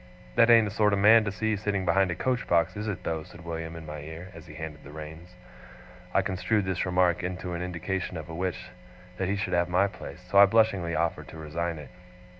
'That ain't a sort of man to see sitting behind a coach box, is it though?' said William in my ear, as he handled the reins. I construed this remark into an indication of a wish that he should have my place, so I blushingly offered to resign it.